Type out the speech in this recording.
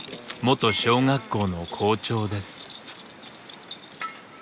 元小学校の校長です。